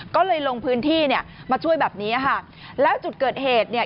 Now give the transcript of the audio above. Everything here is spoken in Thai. ก็เลยลงพื้นที่เนี่ยมาช่วยแบบเนี้ยค่ะแล้วจุดเกิดเหตุเนี่ย